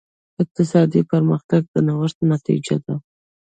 اقتصادي پرمختګ د نوښت نتیجه ده.